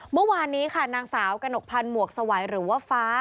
เมื่อวานนี้ค่ะนางสาวกระหนกพันธ์หมวกสวัยหรือว่าฟ้า